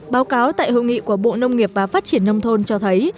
báo cáo tại hội nghị của bộ nông nghiệp và phát triển nông thôn cho thấy